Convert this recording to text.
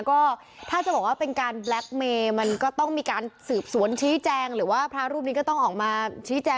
คืออ้าวเนี่ยเฮ้ยก็ไม่รู้จะพูดยังไงน่ะ